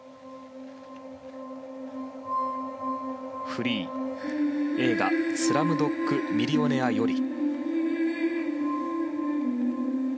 フリー、映画「スラムドッグ＄ミリオネア」より。